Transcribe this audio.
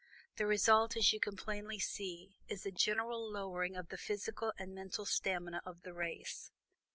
The result, as you can plainly see, is a general lowering of the physical and mental stamina of the race.